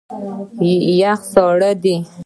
یخ سوړ دی.